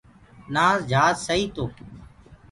نآ جھاج سئٚ تو